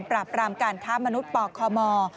ปรับปรามการคาดมนุษย์ป่อคคอมอร์